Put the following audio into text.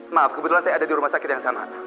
maaf kebetulan saya ada di rumah sakit yang sama